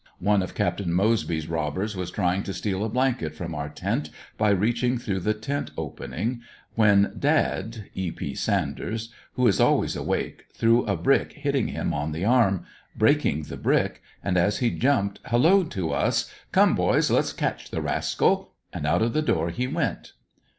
One of Capt. Moseby's robbers was trying to steal a blanket from our tent by reaching through the tent opening when Dad (E. P. Sanders), who is always awake, threw^ a brick hitting him on the arm, breaking the brick, and as he jumped, halloed to us, ''Come boys, let's catch the rascal," and out of the door he went.